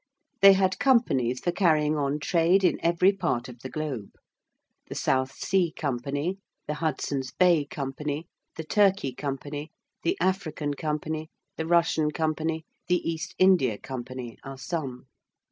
They had Companies for carrying on trade in every part of the globe. The South Sea Company, the Hudson's Bay Company, the Turkey Company, the African Company, the Russian Company, the East India Company are some.